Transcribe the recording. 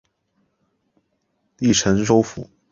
隶辰州府。